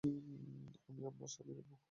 আমি আপনার সাথে খেলবো।